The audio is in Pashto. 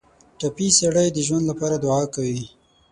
ټپي سړی د ژوند لپاره دعا کوي.